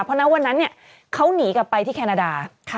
เพราะณวันนั้นเขาหนีกลับไปที่แคนาดา